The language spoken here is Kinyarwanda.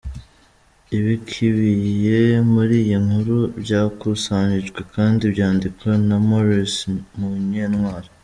Ibikibiye muri iyi nkuru byakusanyijwe kandi byandikwa na Maurice Munyentwali.